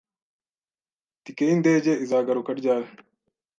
ticket y'indege izagaruka ryari,